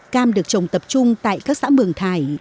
cam được trồng tập trung tại các xã mường thải